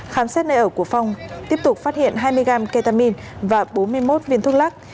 khám xét nơi ở của phong tiếp tục phát hiện hai mươi gram ketamin và bốn mươi một viên thuốc lắc